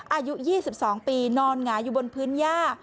อายุ๒๒ปีนอนหงายอยู่บนพื้นย่า